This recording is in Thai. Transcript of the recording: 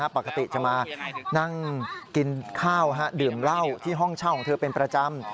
ปกติจะมานั่งกินข้าวดื่มเหล้าที่ห้องเช่าของเธอเป็นประจำ